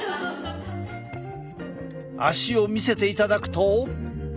足を見せていただくと。